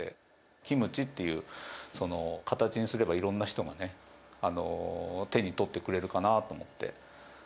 キムチっていう、その形にすれば、いろんな人が手に取ってくれるかなと思って。